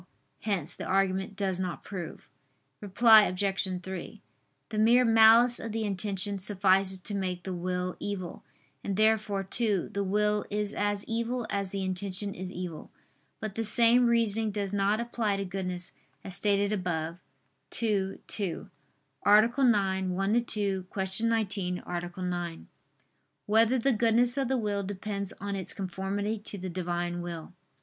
Hence the argument does not prove. Reply Obj. 3: The mere malice of the intention suffices to make the will evil: and therefore too, the will is as evil as the intention is evil. But the same reasoning does not apply to goodness, as stated above (ad 2). ________________________ NINTH ARTICLE [I II, Q. 19, Art. 9] Whether the Goodness of the Will Depends on Its Conformity to the Divine Will?